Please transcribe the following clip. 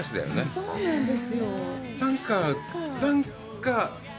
そうなんです。